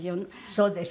そうでしょ。